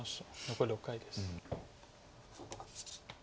残り６回です。